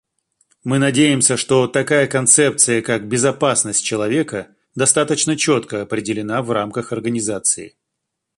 Мы надеемся, что такая концепция, как безопасность человека, достаточно четко определена в рамках Организации.